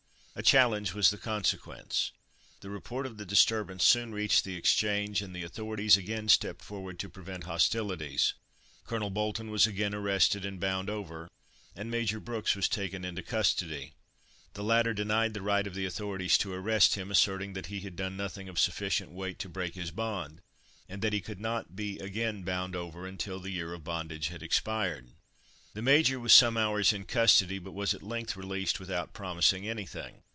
A challenge was the consequence. The report of the disturbance soon reached the Exchange, and the authorities again stepped forward to prevent hostilities. Colonel Bolton was again arrested and bound over, and Major Brooks was taken into custody. The latter denied the right of the authorities to arrest him, asserting that he had done nothing of sufficient weight to break his bond, and that he could not be again bound over until the year of bondage had expired. The Major was some hours in custody, but was at length released without promising anything.